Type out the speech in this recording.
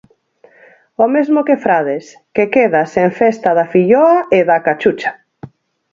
O mesmo que Frades, que queda sen Festa da Filloa e da Cachucha.